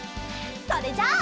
それじゃあ。